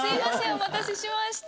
お待たせしました。